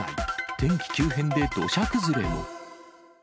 天気急変で土砂崩れも。